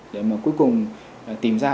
để mà cuối cùng tìm ra